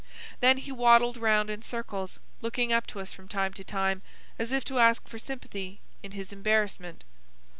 Then he waddled round in circles, looking up to us from time to time, as if to ask for sympathy in his embarrassment.